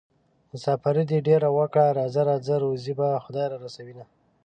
مساپري دې ډېره وکړه راځه راځه روزي به خدای رارسوينه